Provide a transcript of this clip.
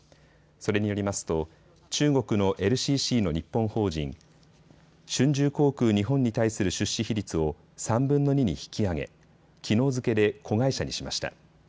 それによりますと中国のＬＣＣの日本法人、春秋航空日本に対する出資比率を３分の２に引き上げきのう付けで子会社にしました。